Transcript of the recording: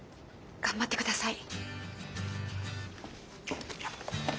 頑張って下さい。